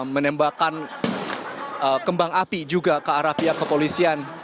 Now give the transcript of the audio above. menembakkan kembang api juga ke arah pihak kepolisian